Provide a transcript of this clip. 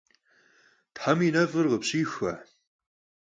Them yi nef'ır khıpşixue.